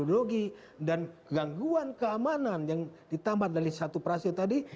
unsur ideologi dan kegaguan keamanan yang ditambah dari satu prase tadi